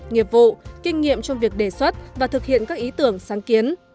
nghiệp vụ kinh nghiệm trong việc đề xuất và thực hiện các ý tưởng sáng kiến